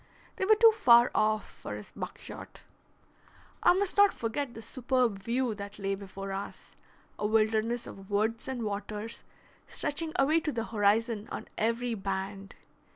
They were too far off for his buckshot. I must not forget the superb view that lay before us, a wilderness of woods and waters stretching away to the horizon on every band.